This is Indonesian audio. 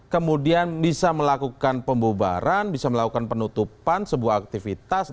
kemudian bisa melakukan pembubaran bisa melakukan penutupan sebuah aktivitas